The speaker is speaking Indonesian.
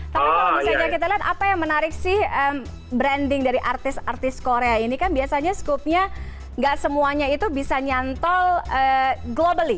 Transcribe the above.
tapi kalau misalnya kita lihat apa yang menarik sih branding dari artis artis korea ini kan biasanya skupnya nggak semuanya itu bisa nyantol globally